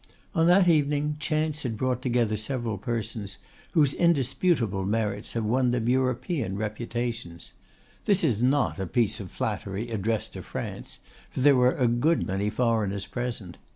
On that evening chance had brought together several persons, whose indisputable merits have won them European reputations. This is not a piece of flattery addressed to France, for there were a good many foreigners present.